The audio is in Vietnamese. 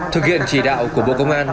thực hiện chỉ đạo của bộ công an